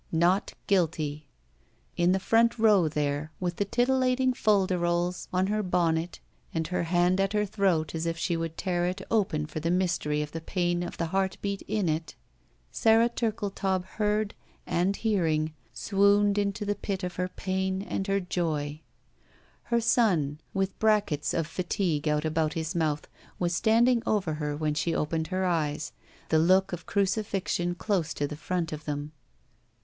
"Not guilty.'' In the front row there, with the titillating folde rols on her bonnet and her hand at her throat as if she would tear it open for the mystery of the pain of the heartbeat in it, Sara Turldetaub heard, and, hearing, swooned into the pit of her pain and her joy. Her son, with brackets of fatigue out about his mouth, was standing over her when she opened her eyes, the look of crucifixion close to the front of them.